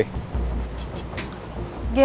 sengaja nungguin gue